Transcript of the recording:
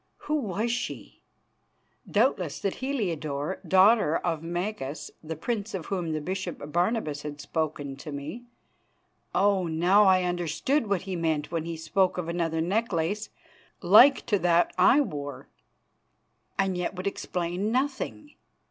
Who was she? Doubtless that Heliodore, daughter of Magas, the prince of whom the Bishop Barnabas had spoken to me. Oh! now I understood what he meant when he spoke of another necklace like to that I wore, and yet would explain nothing.